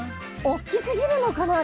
大きすぎるのかな？